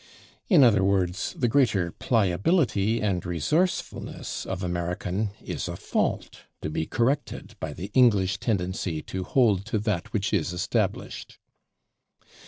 In other words, the greater pliability and resourcefulness of American is a fault to be corrected by the English tendency to hold to that which is established.